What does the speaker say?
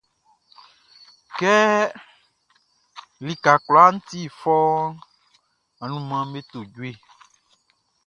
Kɛ lika kwlaa ti fɔuunʼn, anunmanʼm be to jue.